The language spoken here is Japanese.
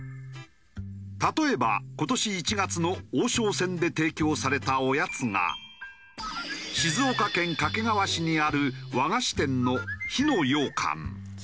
例えば今年１月の王将戦で提供されたおやつが静岡県掛川市にある和菓子店の火の羊羹。